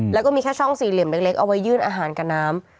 แล้วก็มีแค่ช่องสี่เหลี่ยมเล็กเอาไว้ยื่นอาหารกับน้ำ